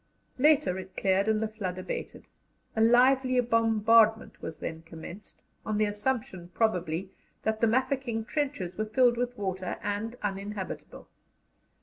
Later it cleared and the flood abated; a lively bombardment was then commenced, on the assumption, probably, that the Mafeking trenches were filled with water and uninhabitable.